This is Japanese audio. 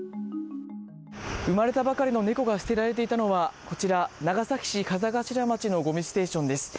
生まれたばかりの猫が捨てられていたのは長崎市風頭町のごみステーションです。